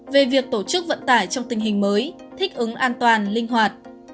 về việc tổ chức vận tải trong tình hình mới thích ứng an toàn linh hoạt